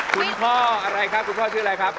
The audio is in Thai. คุณพ่ออะไรครับคุณพ่อชื่ออะไรครับ